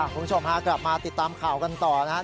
คุณผู้ชมฮะกลับมาติดตามข่าวกันต่อนะครับ